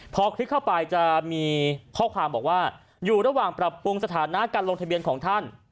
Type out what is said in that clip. พอคลิปเข้าไปจะมีข้อความบอกว่าอยู่ระหว่างปรับปรุงสถานะการลงทะเบียนของท่าน